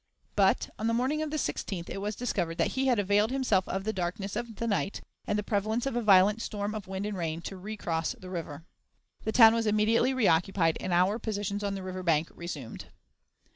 But, on the morning of the 16th, it was discovered that he had availed himself of the darkness of the night and the prevalence of a violent storm of wind and rain to recross the river. The town was immediately reoccupied, and our positions on the river bank resumed.